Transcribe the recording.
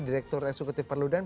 direktur eksekutif perlundan